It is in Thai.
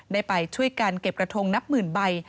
ได้ไปช่วยกันเก็บกระทงนับหมื่นใบ